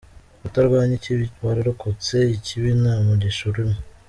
Kutarwanya ikibi wararokotse ikibi nta mugisha urimo.